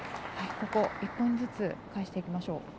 ここ、１ポイントずつ返していきましょう。